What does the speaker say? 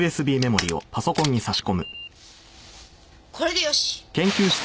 これでよし！